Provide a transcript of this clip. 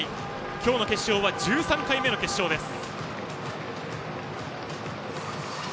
今日の決勝は１３回目の決勝です。